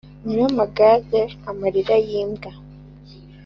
Nyiramangange.- Amarira y'imbwa.